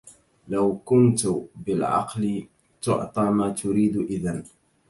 لو كنت بالعقل تعطى ما تريد إذن